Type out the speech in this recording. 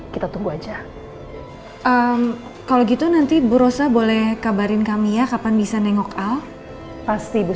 kita tunggu aja kalau gitu nanti bu rosa boleh kabarin kami ya kapan bisa nengok al pasti ibu